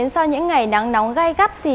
sau những ngày nắng nóng gai gắt